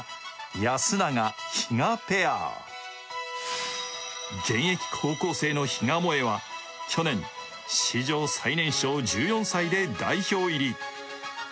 安永・比嘉ペア現役高校生の比嘉もえは去年、史上最年少１４歳で代表入り。